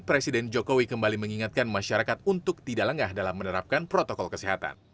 presiden jokowi kembali mengingatkan masyarakat untuk tidak lengah dalam menerapkan protokol kesehatan